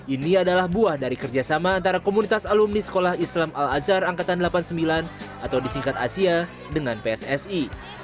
ini adalah buah dari kerjasama antara komunitas alumni sekolah islam al azhar angkatan delapan puluh sembilan atau disingkat asia dengan pssi